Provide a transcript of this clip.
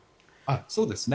そうですね。